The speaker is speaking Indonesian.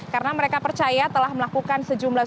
karena mereka percaya telah melakukan sejumlah